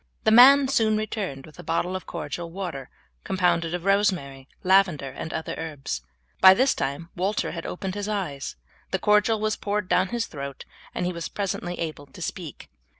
The man soon returned with a bottle of cordial water compounded of rosemary, lavender, and other herbs. By this time Walter had opened his eyes. The cordial was poured down his throat, and he was presently able to speak.